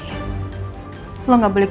lo gak boleh gegabah lagi